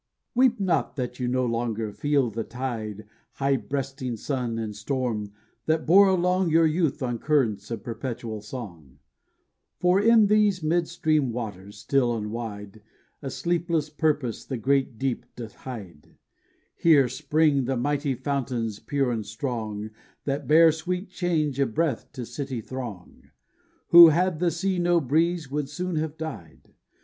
"_) Weep not that you no longer feel the tide High breasting sun and storm, that bore along Your youth on currents of perpetual song: For in these mid stream waters, still and wide, A sleepless purpose the great deep doth hide; Here spring the mighty fountains pure and strong, That bear sweet change of breath to city throng, Who, had the sea no breeze, would soon have died.